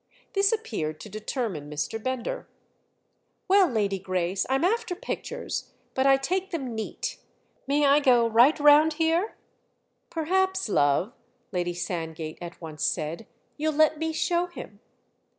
This appeared to determine Mr. Bender. "Well, Lady Grace, I'm after pictures, but I take them 'neat.' May I go right round here?" "Perhaps, love," Lady Sandgate at once said, "you'll let me show him."